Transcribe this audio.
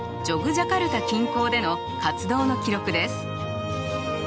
ジャカルタ近郊での活動の記録です。